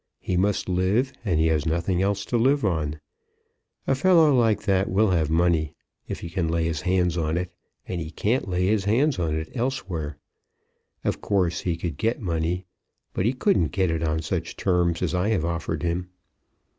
He must live, and he has nothing else to live on. A fellow like that will have money, if he can lay his hands on it, and he can't lay his hands on it elsewhere. Of course he could get money; but he couldn't get it on such terms as I have offered him.